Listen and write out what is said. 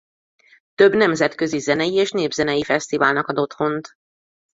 Több nemzetközi zenei és népzenei fesztiválnak ad otthont.